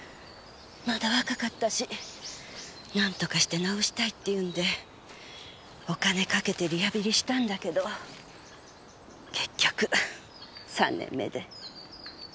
まだ若かったしなんとかして治したいって言うんでお金かけてリハビリしたんだけど結局３年目で。